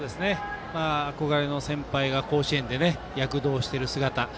憧れの先輩が甲子園で躍動している姿。